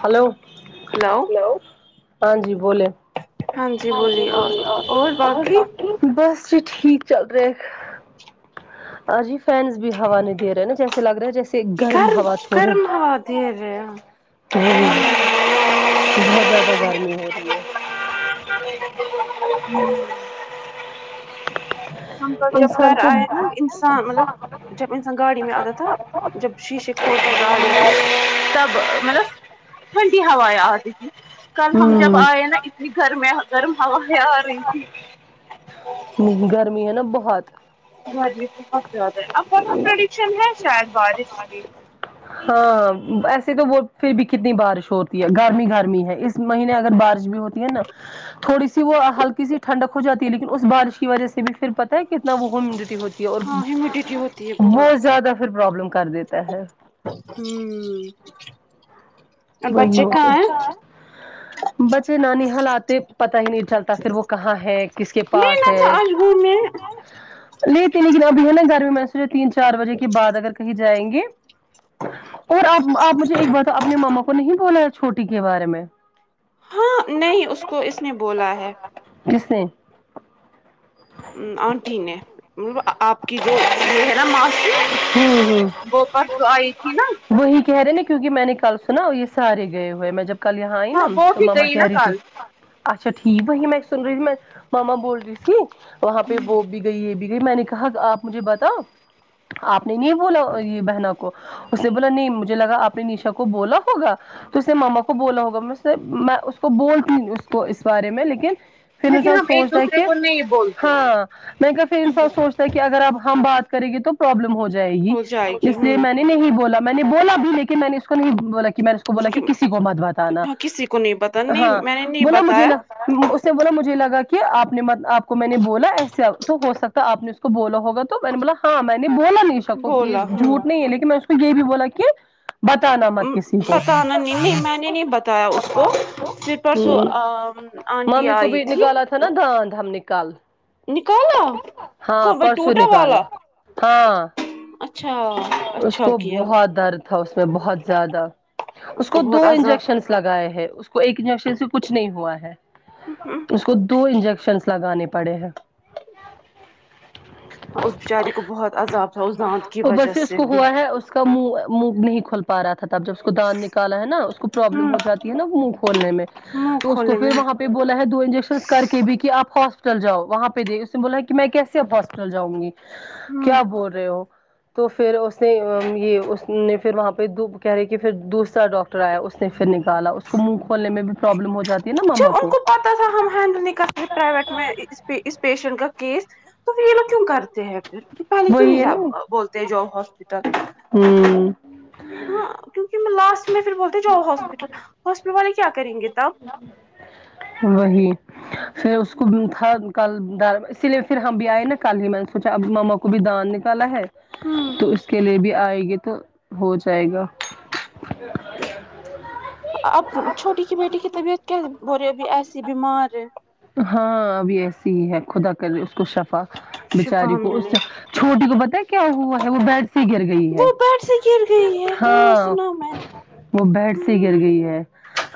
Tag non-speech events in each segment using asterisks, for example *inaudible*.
hello hello ہاں جی بولے ہاں جی بولیے اور اور بس جی ٹھیک چل رہے آجی فین بھی ہوا نہیں دے رہے نا جیسے لگ رہے جیسے گرم ہوا چوڑ رہے وہی پھر بہت زیادہ گرمی ہو رہی ہے ہمم ہم کل جب انسان گھر کو آئے نا انسان مطلب جب انسان گاڑی میں آتا تھا جب شیشے کو تب مطلب ٹھنڈی ہوا آتی تھی کل ہم جب ہوں آئے نا اتنی گرم گرم ہوا ہے نہیں گرمی ہے نا بہت ب بہت زیادہ ہے اب پرڈکشن ہے شاید بارش کی ہاں ایسے تو وہ پھر بھی کتنی بارش ہوتی ہے گرمی گرمی ہے اس مہینے اگر بارش بھی ہوتی ہے نا تھوڑی سی وہ ہلکی ٹھنڈک ہو جاتی ہے لیکن اس بارش کی وجہ سے بھی پھر پتا ہے کتنا وہ ہومیڈٹی ہوتی ہے اور ہاں ہیمیڈیٹی ہوتی ہے بہت وہ زیادہ پھر پروبلم کر دیتے ہے ہمم وہی بچے کہاں ہیں ہوتا ہے بچے نانی حال آتے پتا ہی نہیں چلتا پھر وہ کہاں ہے کس کے پاس ہے میرے لیتے لیکن اب ہے نا گرمی میں سجے تین چار بجے کے بعد اگر کہیں جائیں گے اور آپ آپ مجھے ایک بات اپنے ماما کو نہیں بولا چھوٹی کے بارے میں ہاں نہیں اس کو اس نے بولا ہے کسنے آنٹی نے آپ کی جو یہ ہے نا ہمم وہ پرسوں آئی تھی نا ھمم وہی کہہ رہے نا کیونکہ میں نے کل سنا یہ سارے گئے ہوئے میں جب کل یہاں آئی نا ہاں وہ تو بھی ماما گئی کہہ نا رہی تھی کل اچھا ٹھیک وہی میں سن رہی تھی میں ماما بول رہی تھی وہاں پہ وہ بھی گئی یہ بھی گئی میں نے کہا آپ مجھے بتاؤ آپ نے نہیں بولا یہ بہنا کو اس نے بولا نہیں مجھے لگا آپ نے نشا کو بولا ہوگا تو اس نے ماما کو بولا ہوگا میں اس سے میں اس کو بولتی اس کو اس بارے میں لیکن پھر لیکن انسان ہم ایک سوچتا ہے دوسرے کہ کو نہیں بولتے ہیں ہاں نہیں کہ پھر انسان سوچتا کہ اگر اب ہم بات کریں گے تو پروبلم ہو جائے گی ہو جائے گی اس لیے ہوں میں نے نہیں بولا میں نے بولا بھی لیکن میں نے اس کو نہیں بولا کہ میں نے اس بولا کہ کسی کو مت بتانا ہاں کسی کو نہیں پتا نہیں ہاں میں نے نہیں بولا مجھے بتایا ن اس نے بولا مجھے لگا کہ آپ نے آپ کو میں نے بولا ایسا تو ہو سکتا آپ نے تو بولا ہوگا تو میں نے بولا ہاں میں بولا نشا کو یہ بولا ہوں جھوٹ نہیں ہے لیکن میں اس کو یہ بھی بولا کہ بتانا مت کسی کو پتانا نہیں نہیں میں نے نہیں بتایا اس کو پھر پرسو اام آنٹی ممی کو آئی بھی تھی نکالا نا دانت ہم نکال نکالا ہاں کو بھائی پرسو ٹوٹا نکالا والا ہاں اچھا اس اچھا کو کیا بہت درد تھا اس میں بہت زیادہ اس کو دو انجیکشن لگائے ہے اس کو ایک انجیکشن سے کچھ نہیں ہوا ہے عذاب اس کو دو انجیکشنس لگانے پڑے ہیں اس بیچاری کو بہت عذاب تھا اس دانت کی اوپر وجہ اس سے کو بھی ہوا ہے اس کا منہ منہ نہیں کھول پا رہا تھا تب جب اس کو دانت نکالا ہے نا اس کو پروابلم ہوں ہو جاتی ہے نا منہ کھولنے میں منہ تو اس کو کھولے پھر میں وہاں پہ بولا ہے دو انجیکشنس کر کے بھی آپ ہاسپٹل جاؤ وہاں پہ دے اس نے بولا کہ میں کیسےاب ہاسپٹل جاؤں گی ہم کیا بول رہے ہو تو پھر اس نے یہ اس نے پھر وہاں پہ دو کہہ رہے کہ پھر دوسرا ڈاکٹر ایا اس نے پھر نکالا اس کو منہ کھولنے میں بھی پرابلم ہو جاتی ہے نا ماما کو ات سے ہم ہینڈل نہیں کرتے پرائیویٹ میں اس اس پیشنٹ کا کیس تو پھر یہ لوگ کیوں کرتے ہیں پھر پہلے کیوں نہیں وہی ہے جا نا بولتے جاو ہاسپٹل ہمم ہاں کیونکہ لاسٹ میں پھر بولتے جاو ہاسپٹل ہاسپٹل والے کیا کریں گے تب ل وہی پھر اس کو تھا کل در اسی لیے پھر ہم بھی آئے نا کل ہی من سوچا اب ماما کو بھی دانت نکالا ہے ہوں تو اس کے لیے بھی آئے گی تو ہو جائے گا اب چھوٹی کی بیٹی کی طبیعت کیا بول رہی ابھی ایسی بیمار ہے ہاں ابھی ایسی ہی ہے خدا کر اس کو شفا شفا بچاری کو اس ملے چھوٹی کو پتا ہے کیا ہوا ہے وہ بیڈ سے گر گئی ہے وہ بیڈ سے گر گئی ہے ہاں سنا میں نے وہ بیڈ سے گر گئی ہے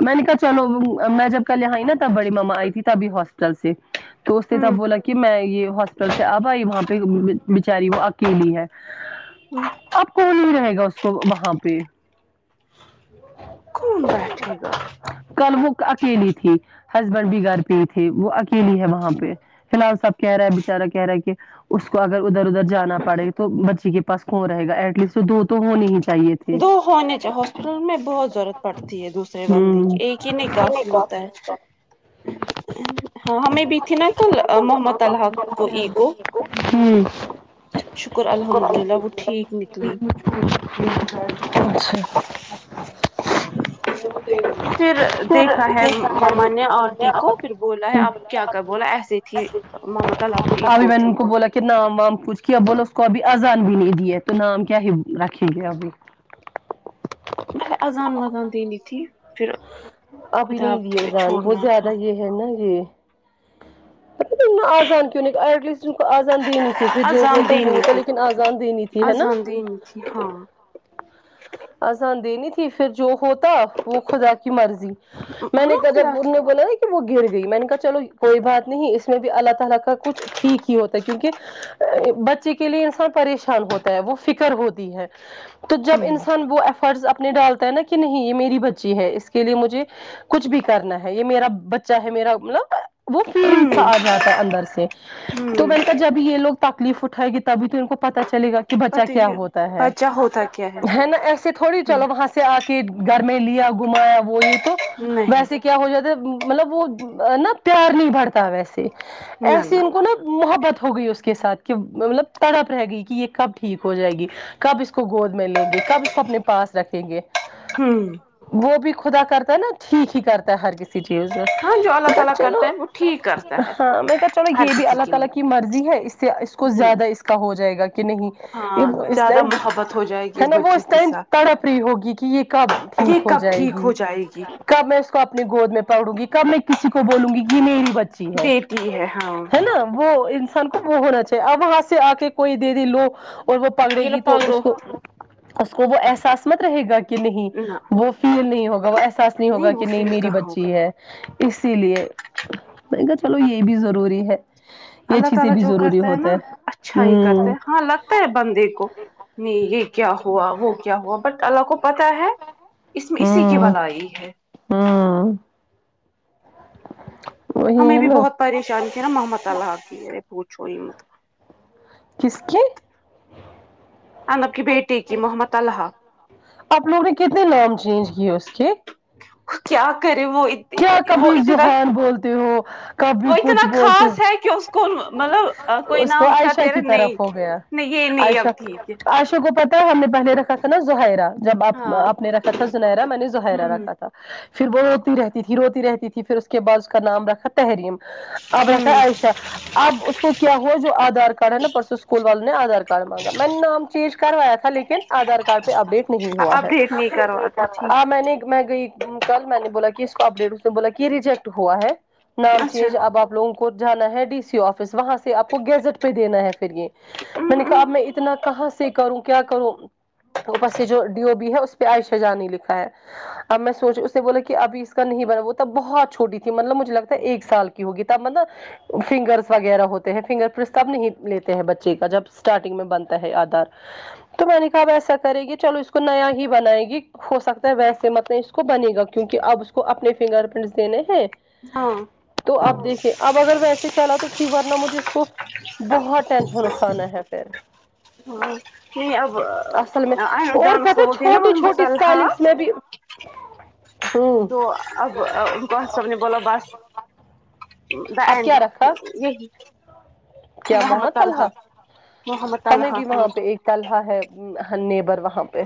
میں نے کہا چلو میں جب کل یہاائی نا تب بڑی ماما آئی تھی تبھی ہاسٹل سے تو اس نے تب ہوں بولا کہ میں یہ ہاس پیٹل سے اب آئی وہاں پہ بچاری وہ اکیلی ہے ہمم اب کون نہیں رہے گا اس کو وہاں پہ کون بیٹھے گا کل وہ اکیلی تھی ہسبینڈ بھی گھر پہ ہی تھے وہ اکیلی ہے وہاں پہ فی الحال سب کہہ رہا ہے بےچارہ کہہ رہا ہے کہ اس کو اگر ادھر ادھر جانا پڑے گا تو بچی کے پاس کون رہے گا ایٹ لیسٹ دو تو ہونی ہی چاہیے تھے دو ہونے چاہو ہاسپٹل میں بہت ضرورت پڑتی ہے دوسرے بندے کی ہوں ایک ہی نہیں کافی ہوتا ہے ہاں ہمیں بھی تھنکل محمد الحق کو ای کو شکر الحمد للہ وہ ٹھیک نکلی اچھا پھر دیکھا ہے آنٹی کو پھر بولا ہے آپ کیا کر بولا ایسے تھی ممتا اللہ کو ای ابھی کو میں نے تھی ان بولا کہ نام وام پوچھ کیا بولو اس کو ابھی آذان بھی نہیں دیا ہے تو نام کیا ہی رکھیں گے ابھی ہں آذان وذان دینی تھی پھر ابھی خدا نہیں دیے اذان بہت چھوڑنا تھا زیادہ یہ ہے نا یہ آزان کیوں نہیں اٹلیسٹ ان کو آزان دینی تھی پھر جو ہوتا وہ ہوتا لیکن آزان دینی تھی ہے نا آزان دینی تھی ہاں آذان دینی تھی پھر جو ہوتا وہ خدا مرضی میں نے ہاں کہا خدا جب انہوں کے نے بولا تو وہ گر گئی میں نے کہا چلو کوئی بات نہیں اس میں بھی اللہ تعالی کا کچھ ٹھیک ہی ہوتا ہے کیونکہ بچے کے لیے انسان پریشان ہوتا ہے وہ فکر ہوتی ہے تو جب ہمم انسان وہ ایفرٹس اپنے ڈالتا ہے نا کہ نہیں یہ میری بچی ہے اس کے لیے مجھے کچھ بھی کرنا ہے یہ میرا بچہ ہے میرا مطلب وہ فیل سا ہمم آ جاتا ہے اندر سے تو ہمم میں نے کہ جبھی یہ لگ تکلیف اٹھائے گے تب تو ان کو پتا چلے گا کہ کہ بچہ پتی کیا ہوتا ہے بچہ ہوتا کیا ہے نا ایس تھوڑی چلو وہاں سے آ کے گھر میں لیا گھمایا وہ یہ تو نہیں ویسے کیا ہو جاتا ہے مطلب وہ نا پیار نہیں بھرتا ویسے نہ ایسیے نہ ان کو نا محبت ہوگئی اس کے ساتھ کہ مطلب تڑپ رہ گئی کی یے کب ٹھیک ہو جائے گی کب اس کو گود میں لیں گے کب اس کو اپنے پاس رکھیں گے ہمم وہ بھی خدا کرتا ہے نا ٹھیک ہی کرتا ہے ہر کسی چیز ہاں جو اللہ میں تعالی چلو کرتا ہے وہ ٹھیک کرتا ہے ہاں میں نے کہا چلو ہر یے بھی کسی اللہ کے تعالی کی لیے مرضی ہے اس اس کو ہ زیادہ اس کا ہو جائے گا کہ نہیں ہاں اس زیادہ ٹائم محبت ہو جائے گی ہے نا وہ بچی اس کے ٹائم ساتھ تڑپ رہی ہوگی کی یے کب یہ ٹھیک ہو کب جائے ٹھیک گی ہو جائے گی کب میں اس کو اپ گود میں پکڑوں گی کب میں کسی کو بولوں گی کی یے میری بچ چی ہے دیتی ہے ہاں ہے نا وہ انسان کو وہ ہونا چاہیے اب وہاں سے آ کے کوئی دے دی لو اور وہ پکڑے یہ لو گی تو اس پکڑو کو اس کو وہ احساس مت رہے گا کہ نہیں نہ وہ فیل نہیں ہوگا وہ احساس نہیں ہوگا وہ کی نہیں فیل میری کہاں ہوگا بچی ہے اسی لیے میں نےکہا چلو یے بھی ضروری ہے یہ اللہ چیزیں تعالی بھی جو ضروری کرتا ہے ہوتا نا اچھا ہی کرتا ہوں ہاں لگ تا ہے بندے کو نہیں یے کیا ہوا وہ کیا ہوا بٹ اللہ کو پتا ہے اس میں اسی کی ہوں بھلا آئی ہے ہوں تو *unintelligible* ہمیں بھی بہت پریشانی تھی نا محمد طلحہ تی ہے پوچھو ہی مت کس کے انب کی بیٹے کی محمد طلحہ آپ لوگوں نے کتنے نام چینج کیے اس کے کیا کرے وہ کیا وہ کبھی اتنا زحان بولتے ہو کبھی وہ اتنا کچھ بولتے خاص ہے کہ اس کو مطلب ہو کوئی اس کو نام عائشہ کرتے کی رہے نہیں طرف ہو گیا نہیں یہ نہیں اب عائشہ ٹھیک ہے عائشہ کو پت تہ ہم نے پہلے رکھا تھا نا زہائرہ جب آپ ہاں آپ نے رکھا تھا زنیرہ میں نے زہرہ ہمم رکھا تھا پھر وہ ہوتی رہتی تھی روتی رہتی تھی پھر اس کے بعد اس کا نام رکھا تحریم اب رکھا ہمم عائشہ اب اس کو کیا ہوا جو آدھار کارڈ ہے نا پرسوں اسکول والوں نے آدھار کارڈ مانگا میں نے نام چینج کروایا تھا لیکن کن ادھار کارڈ پے اپڈیٹ نہیں ہوا ہے اپڈیٹ نہیں کروا تھا ہاں ٹھیک میں نے میں گئی کل میں نے بولا کی اس اپڈیٹ اس نے بولا کی یے ریجیکٹ ہوا ہے نام اچھا چینج اب آپ لوگوں کو کو جانا ہے ڈی سی آفس وہاں سے آپ کو گیزٹ پے دینا ہے پھر یے میں نے کہا اب میں اتنا کہاں سے کروں کیا کروں اپر سے جو ڈی او بی ہے اس پے عائشہ جان ہی لکھا ہے اب میں سوچی اس سے بولا کی اب اس کا نہیں بنا وہ تب بہت چھوٹی تھی مطلب مجھے لگتا ہے ایک سال کی ہوگی تب مطلب فنگرس وغیرہ ہوتے ہیں فنگر پرنس نہیں لیتے ہیں بچے کا جب اسٹارٹنگ میں بنتا ہے آدھار تو میں نے کہا اب ایسا کرے گی چلو اس کو نیا ہی بنائے گی ہو سکتا ہے ویسے مطلب اس کو بنے گا کیونکی اب اس کو اپنے فنگر پرنٹس دینے ہیں ہاں تو اب دیکھے اب اگر ویسے چلا تو ٹھیک ورنا مجھے اس کو بہت ٹینشن اٹھانا ہے پھر نہیں اب اصل میں اور جان اس کو پتا بولتے ہیں نا چھوٹی محمد چھوٹی طلحہ اسپیلنگس میں بھی ہممم تو اب ان کو سب نے بولا بس ب اب کیا رکھا یہ کیا محمد طلحہ محمد ہمیں طلحہ بھی ہاں وہاں پہ ایک طلحہ ہے نیبر وہاں پہ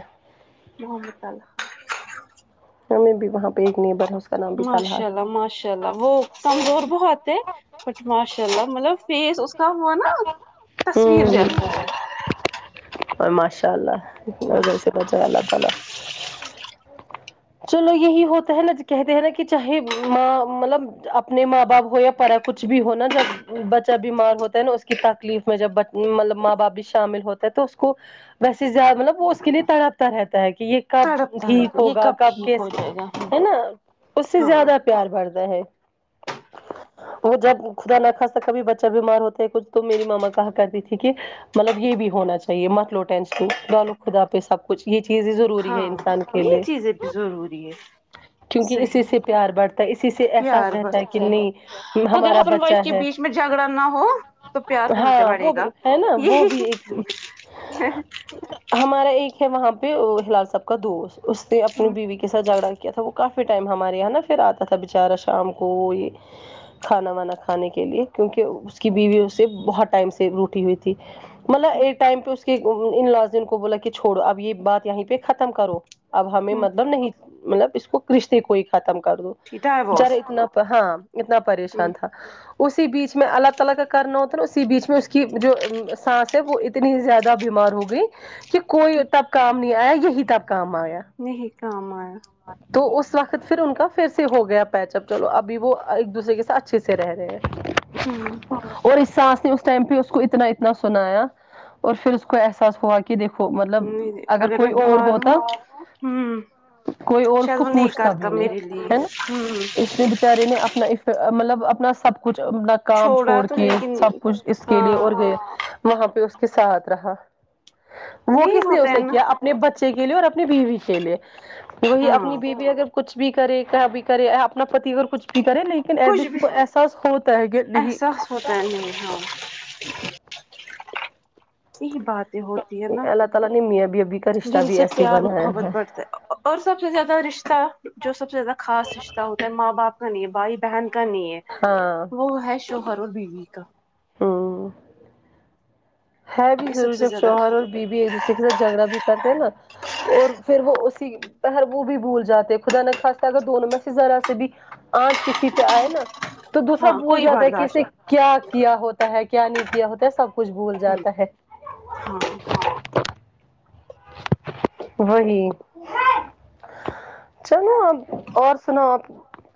محمد طلحہ ہمیں بھی وہاں پہ ایک نیبر ہے کا نام بھی طلحہ ماشاء اللہ ہے ماشاء اللہ وہ کمزور بہت ہے بٹ ماشاء اللہ مطلب فیس اس کا ہوا نا تصویر جیسا ہے اور ماشاء اللہ نظر سے بچائے اللہ تعالی چلو یہی ہوتا ہے نا کہتے ہیں نا کہ چاہے ماں مطلب اپنے ماں باپ ہو یا پرپ کچھ بھی ہونا جب بچہ بیمار ہوتا ہے نا اس کی تکلیف میں جب مطلب ماں باپ بھی شامل ہوتے ہے تو اس کو ویسے زیادہ مطلب وہ اس کے لیے تڑپتا رہتا ہے کہ یہ کب تڑپتا رہ ٹھیک یہ ہوگا کب ٹھیک ہو جائے گا ہے نا اس سے ہاں زیادہ پیار بھرتا ہے وہ جب خدا نہ خاستہ کبھی بچہ بیمار ہوتا ہے کچھ تو میری ماما کہا کرتی تھی کے مطلب یہ بھی ہونا چاہیے مت لو ٹینشن ڈالو خدا پہ سب کچھ یہ چیزیں ضروری ہے ہاں انسان کے یہ لیے چیزیں ضروری ہے کیونکہ اسی صحیح سے پیار بڑھتا ہے اسی سے احساس پیار رہتا بس ہے کہ نہیں اگر ہمارا ہسبینڈ وائف بچہ کے ہے بیچ جھگڑا نہ ہو تو پیار کہاں سے ہاں بڑے وہ گا بھی ہے نا وہ یہی بھی ایک ہمارا ایک ہے وہاں پہ ہلال صاحب کا دوست اس نے اپنی بیوی کے ساتھ جھگڑا کیا تھا وہ کافی ٹائم ہمارے یہاں نا پھر آتا تھا بیچارا شام کو یہ کھانا وانا کھانے کے لیے کیونکہ اس کی بیوی اس سے بہت ٹائم سے روٹھی ہوئی تھی مطلب ایک ٹائم پہ اس کے ان لاؤس نے ان کو بولا کہ چھوڑو اب یہ بات یہیں پہ ختم کرو اب ہمیں نہیں مطلب اس کو کرشتی کو ہی ختم کر دو بیچارا ڈائیوس اتنا ہاں اتنا پریشان تھا اسی بیچ میں اللہ تعالی کا کرنا ہوتا ہے نا اسی بیچ میں اس کی جو سانس وہ اتنی زیادہ بیمار ہو گئی کہ کوئی تب کام نہیں آیا یہی تب کام آیا نہیں کام آیا تو اس وقت پھر ان کا پھر سے ہو گیا پیچ اپ چلو ابھی وہ ایک دوسرے کے سا اچھے سے رہ رہے ہیں ہمم اور اس ساس نے اس ٹائم پہ اس کو اتنا اتنا سنایا اور پھر اس کو احساس ہوا کہ کہ دیکھو مطلب نہیں اگر کوئی اور ہوتا ہمم کوئی اور اس کو پوچھتا بھی نہیں لیے ہے نا ہوں اس نے بچارے نے اپنا مطلب اپنا سب کچھ اپنا کام چھوڑا چھوڑ تو کے لیکن سب کچھ اس کے لیے اور ہاں گئے وہاں پہ اس کے ساتھ رہا وہ یہی کس نے ہوتا ہے اسے نا کیا اپ اپنے بچے کے لیے اور اپنی بیوی کے لیے وہی اپنی ہاں بیوی اگر کچھ بھی کرے کیا بھی کرے اپنا پتی اگر کچھ بھی کرے نہیں لن ایٹ کچھ لیسٹ ان بھی کو احساس ہوتا ہے کہ نہیں احساس ہوتا ہے نہیں ہاں یہ باتیں ہوتی ہے نا اللہ تعالی نے میاں بیوی کا رشتہ جن بھی سے ایسے ہی پیار بنایا محبت ہے بڑھتا ہے اور سب سے زیادہ رشتہ جو سب سے زیادہ خاص رشتہ ہوتا ہے ماں باپ کا لیے بھائی بہن کا نہیں ہے ہاں وہ ہے شوہر اور بیوی کا ہمم ہے بھی یہ سب ضرور سے جب زیادہ شوہر اور بیوی ایک دوسرے کے ساتھ جھگڑا بھی کرتے ہیں نہ اور پھر وہ اسی پر وہ بھی بھول جاتے خدا نخواستہ اگر دونوں میں سے ذرا سے بھی آنچ کسی پہ آئے نا تو دوسرا ہاں بھول کوئی جاتا ہے کہ اسے برداشت کیا کیا ہوتا ہے کیا نہیں کیا ہوتا ہے سب کچھ بھول ہمم جاتا ہے ہاں وہی چلو ا اور سناو آ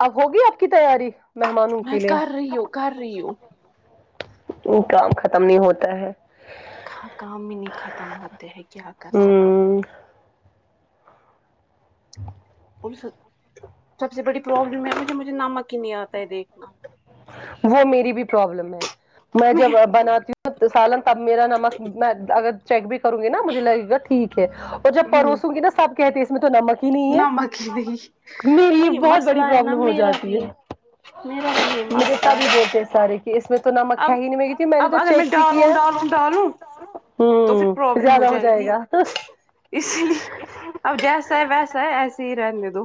اب ہوگی آپ کی تیاری مہمانوں میں کے لیے کر رہی ہو کر رہی ہو کام ختم نہیں ہوتا ہے کام بھی نہیں ختم ہوتے ہے کیا کر سکتے ہوں سب سے بڑی پرابلم یہ مجھے نمک ہی نہیں آتا ہے دیکھنا وہ میری بھی پرابلم ہے میں جب بناتی ہوں سالن تب میرا نمک میں اگر چیک بھی کر کرو گی نا مجھے لگ گا ٹھیک ہے اور جب ہوں پروسوں گی نا سب کہتے ہیں اس میں تو نمک ہی نہیں ہے نمک ہی نہیں میرے لی وہی بہت مسئلہ بڑی ہے نا پرابلم ہو میرا جاتی ہے بھی میرا بھی مجھے مسئلہ بھی ہے بولتے ہیں سار کہ اس میں تو نمک اب ہے ہی نہیں میں نے اب تو اگر چیک بھی کیا ڈالوں ڈالوں ڈالوں ہوں پھر زیادہ ہو جائے گا اسی لیے اب جیسا ہے ویسا ہے ایسے ہی رہنے دو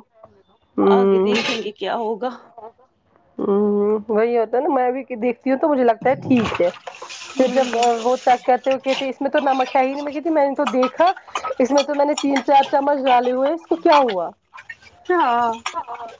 آگے دھیں ہوں گے کیا ہوگا ہوں وہی ہوتا نا میں بھی کہ دیکھ تو مجھے لگتا ہے ٹھیک ہے پھر جب ہ وہ چیک کرتے ہو تھے اس میں تو نمک ہے ہی نہیں مگی تھی میں نے تو دیکھا اس میں تو میں نے تین چار چمچ ڈالے ہوئے تو کیا ہوا ہاں ہ